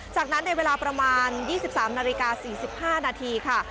จากนั้นในเวลาประมาณ๒๓นาฬิกา๔๕นาทีค่ะ